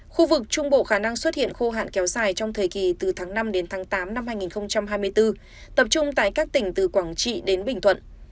khu vực trung bộ khả năng xuất hiện khô hạn kéo dài trong thời kỳ từ tháng năm đến tháng tám năm hai nghìn hai mươi bốn tập trung tại các tỉnh từ quảng trị đến bình thuận